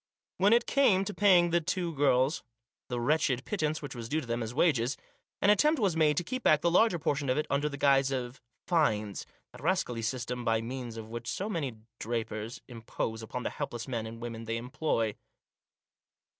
When it came to paying the two girls the wretched pittance which was due to them as wages, an attempt was made to keep back the larger portion of it under the guise of " fines," that rascally system by means of which so many drapers impose upon the helpless men and women they employ.